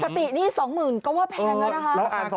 ปกตินี่๒หมื่นก็ว่าแพงแล้วนะครับ